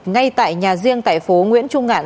ngay tại nhà riêng tại phố nguyễn trung ngạn